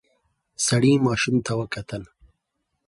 سړی ماشوم ته وکتل.